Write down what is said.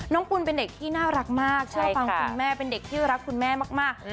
ปูนเป็นเด็กที่น่ารักมากเชื่อฟังคุณแม่เป็นเด็กที่รักคุณแม่มาก